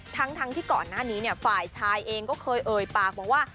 ทั้งที่ก่อนหน้านี้ฝ่ายชายเองก็เคยเอ่ยปากบอกว่า